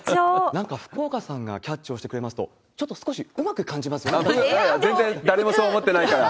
なんか福岡さんがキャッチをしてくれますと、ちょっと少し、全然、誰もそう思ってないから。